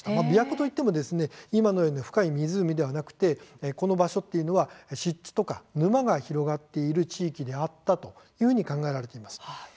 琵琶湖といっても、今のような深い湖ではなくてこの場所というのは湿地とか沼が広がっている地域であったと考えられています。